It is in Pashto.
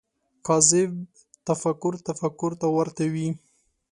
کاذب تفکر تفکر ته ورته وي